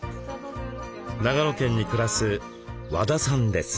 長野県に暮らす和田さんです。